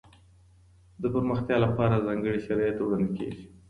د پرمختیا لپاره ځانګړي شرایط وړاندې کیږي.